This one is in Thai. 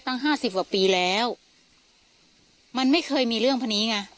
ตั้งห้าสิบกว่าปีแล้วมันไม่เคยมีเรื่องพวกนี้ไง